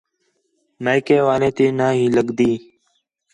میکے والیں تی نا ہی لڳدی